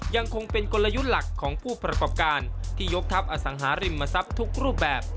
ยังคงเป็นกลยุทธ์หลักของผู้ประกอบการที่ยกทัพอสังหาริมทรัพย์ทุกรูปแบบ